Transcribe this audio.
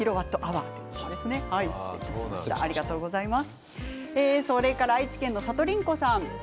ありがとうございます。